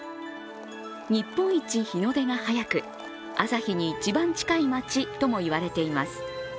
日本一、日の出が早く朝日に一番近い町ともいわれています。